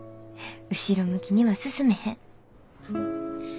後ろ向きには進めへん。